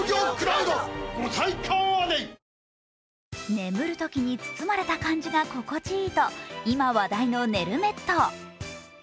眠るときに包まれた感じが心地いいと今話題のねるメット。